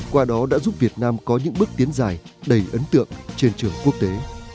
qua đó đã giúp việt nam có những bước tiến dài đầy ấn tượng trên trường quốc tế